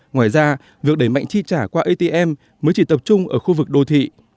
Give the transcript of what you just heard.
ngoài ra việc đẩy mạnh chi trả qua atm mới chỉ tập trung ở khu vực đô thị